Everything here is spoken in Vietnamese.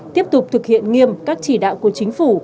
tiếp tục thực hiện nghiêm các chỉ đạo của chính phủ